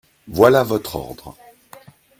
Voilà votre ordre.